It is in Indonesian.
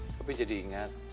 tapi jadi ingat